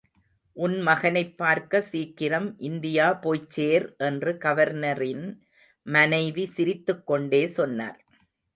உன் மகனைப் பார்க்க சீக்கிரம் இந்தியா போய்ச்சேர் என்று கவர்னரின் மனைவி சிரித்துக்கொண்டே சொன்னார்.